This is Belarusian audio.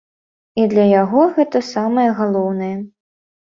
І для яго гэта самае галоўнае.